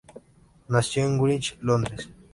Nació en Greenwich, Londres.